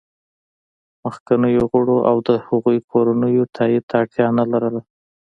مخکینیو غړو او د هغوی کورنیو تایید ته اړتیا نه لرله